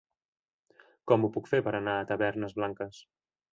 Com ho puc fer per anar a Tavernes Blanques?